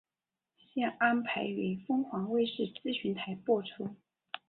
现安排于凤凰卫视资讯台播出。